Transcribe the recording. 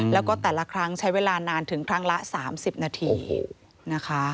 แล้วก็แต่ละครั้งใช้เวลานานถึงครั้งละ๓๐นาทีนะคะ